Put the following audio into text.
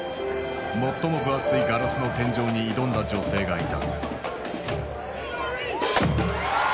最も分厚いガラスの天井に挑んだ女性がいた。